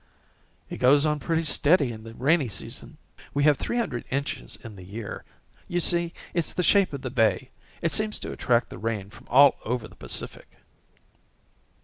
"It goes on pretty steady in the rainy season. We have three hundred inches in the year. You see, it's the shape of the bay. It seems to attract the rain from all over the Pacific."